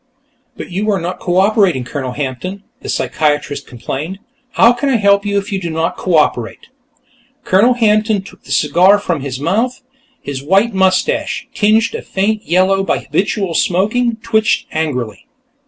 "But you are not cooperating, Colonel Hampton," the psychiatrist complained. "How can I help you if you do not cooperate?" Colonel Hampton took the cigar from his mouth. His white mustache, tinged a faint yellow by habitual smoking, twitched angrily.